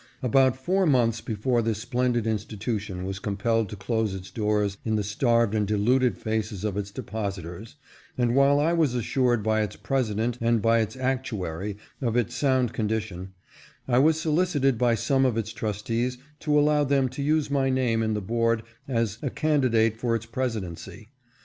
About four months before this splendid institution was compelled to close its doors in the starved and deluded faces of its depositors, and while I was assured by its President and by its Actuary of its sound condition, I was solicited by some of its trustees to allow them to use my name in the board as a candidate for its presidency.